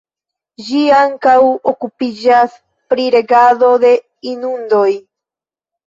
Ĝi ankaŭ okupiĝas pri regado de inundoj.